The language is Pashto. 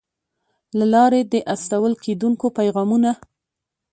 له لارې د استول کېدونکو پیغامونو